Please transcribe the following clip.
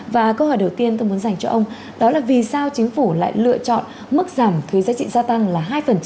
và câu hỏi đầu tiên tôi muốn dành cho ông đó là vì sao chính phủ lại lựa chọn mức giảm thuê giá trị gia tăng là hai